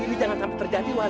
ini jangan sampai terjadi waduh